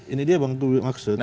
ini dia bang tuli maksudnya